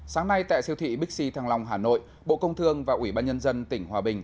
sáng nay tại siêu thị bixi thăng long hà nội bộ công thương và ủy ban nhân dân tỉnh hòa bình